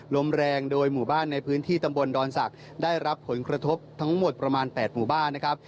ลมแรงโดยหมู่บ้านในพื้นที่ตำบลดอนศักดิ์ได้รับผลกระทบทั้งหมดประมาณ๘หมู่บ้านนะครับ